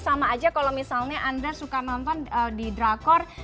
sama aja kalau misalnya anda suka nonton di drakor